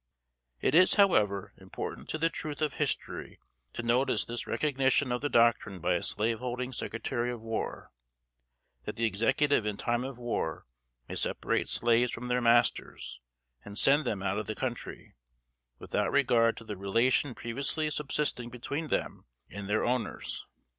It is, however, important to the truth of history to notice this recognition of the doctrine by a slave holding Secretary of War, that the Executive in time of war may separate slaves from their masters, and send them out of the country, without regard to the relation previously subsisting between them and their owners.